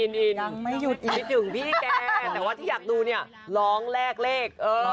อินยังไม่หยุดอินพี่ถึงพี่แกแต่ว่าที่อยากดูเนี่ยร้องแลกเลขเออ